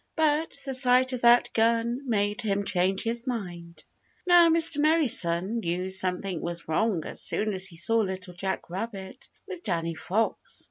But the sight of that gun made him change his mind. Now Mr. Merry Sun knew something was wrong as soon as he saw Little Jack Rabbit with Danny Fox.